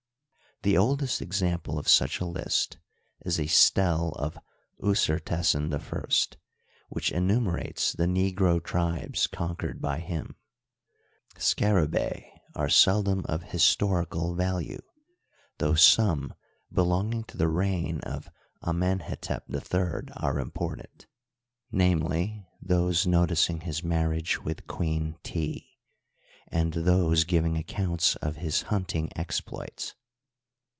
The oldest example of such a list is a stele of Usertesen I, which enumerates the negro tribes conquered by him. Scarabaei are seldom of historical value, though some belonging to the reig^ of Amenhetep III are important, viz., those noticing his marriage with Queen Tii, and those giving accounts of his hunting exploits.